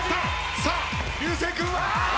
さあ流星君はあ！